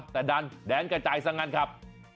แต่ดันแดนกระจายซะงั้นครับ